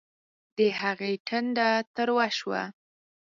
د هغې ټنډه تروه شوه